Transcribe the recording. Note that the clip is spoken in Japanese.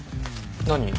何？